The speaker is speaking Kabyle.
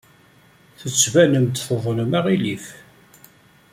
Tettbanem-d tuḍnem aɣilif.